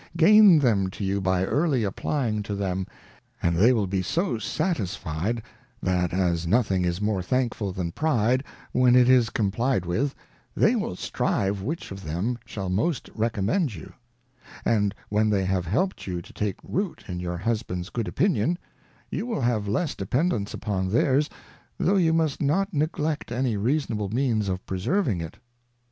Gain them to you by early applying to them, and they will be so satisfied, that as nothing is more thankful than Pride, when it is complied with, they will strive which of them shall most recommend you ; and when they have helped you to take Root in your Husband's good Opinion, you will have less dependence upon theirs, though you niust not neglect any reasonable means of preserving it.